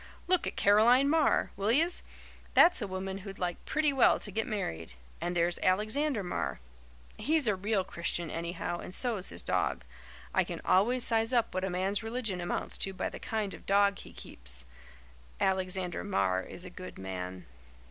Look at Caroline Marr, will yez? That's a woman who'd like pretty well to get married, And there's Alexander Marr. He's a real Christian, anyhow, and so's his dog. I can always size up what a man's religion amounts to by the kind of dog he keeps. Alexander Marr is a good man."